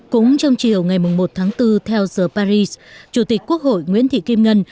cũng trong chiều ngày một tháng bốn theo giờ paris chủ tịch quốc hội nguyễn thị kim ngân